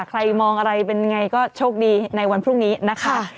ใครมองอะไรเป็นไงก็โชคดีในวันพรุ่งนี้นะคะ